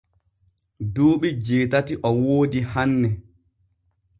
Duuɓi jeetati o woodi hanne.